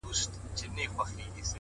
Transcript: o ستا سترگي دي؛